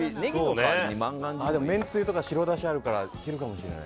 めんつゆとか白だしあるからいけるかもしれない。